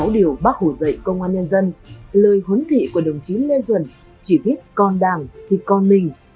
sáu điều bác hồ dạy công an nhân dân lời huấn thị của đồng chí lê duẩn chỉ biết con đảng thì con mình